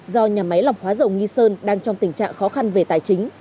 do nhà máy lọc hóa dầu nghi sơn đang trong tình trạng khó khăn về tài chính